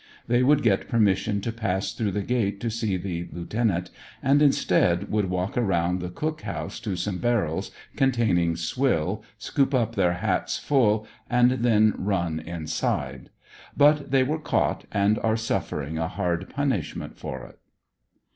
They would get permission to pass through the gate to see the lieutenant, and instead, would walk around the cook house to some barrels containing swill, scoop up their hats full and then run inside; but they were caught, and are suffering a hard punishment for it.